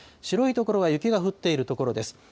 白い所は雪が降っている所です。